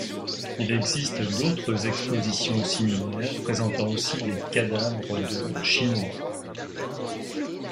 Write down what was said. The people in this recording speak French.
Il existe d'autres expositions similaires, présentant aussi des cadavres de Chinois.